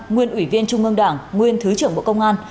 nguyên ủy viên trung ương đảng nguyên thứ trưởng bộ công an